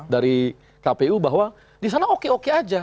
dari kpu bahwa di sana oke oke aja